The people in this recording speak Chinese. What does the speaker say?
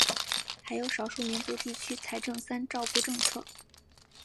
还有少数民族地区财政三照顾政策。